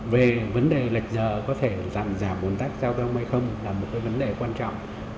về vấn đề lệch giờ có thể giảm bốn tác giao thông hay không là một vấn đề quan trọng